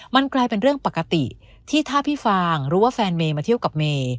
มันกลายเป็นเรื่องปกติที่ถ้าพี่ฟางรู้ว่าแฟนเมย์มาเที่ยวกับเมย์